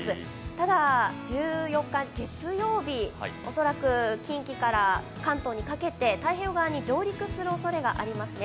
ただ、１４日月曜日恐らく近畿から関東にかけて太平洋側に上陸するおそれがありますね。